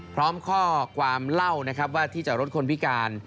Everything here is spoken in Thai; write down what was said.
พร้อมข้อความเล่านะครับว่าที่จอดรถคนพิการ